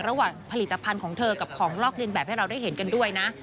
ระหว่างผลิตภัณฑ์ของเธอกับของลอกเรียนแบบให้เราได้เห็นกันด้วยนะ